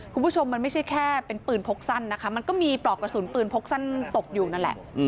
คุณผู้ชมมันไม่ใช่แค่เป็นปืนพกสั้นนะคะมันก็มีปลอกกระสุนปืนพกสั้นตกอยู่นั่นแหละ